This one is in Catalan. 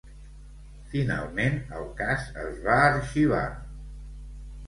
Finalment, el cas es va arxivar.